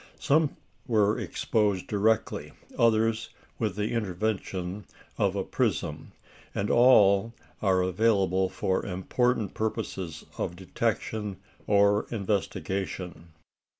Some were exposed directly, others with the intervention of a prism; and all are available for important purposes of detection or investigation.